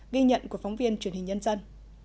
ghi nhận của phóng viên truyền hình nhân dân